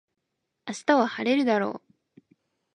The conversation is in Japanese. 明日は晴れるだろう